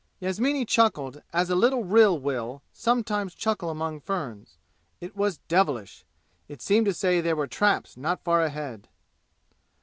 Yasmini chuckled as a little rill will sometimes chuckle among ferns. It was devilish. It seemed to say there were traps not far ahead.